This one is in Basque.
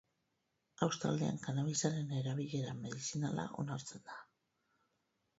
Australian kannabisaren erabilera medizinala onartzen da.